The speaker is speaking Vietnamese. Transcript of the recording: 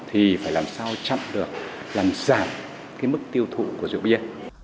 thì phải làm sao chặn được làm giảm cái mức tiêu thụ của rượu bia